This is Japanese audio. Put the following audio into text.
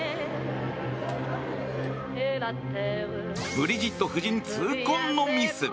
ブリジット夫人、痛恨のミス。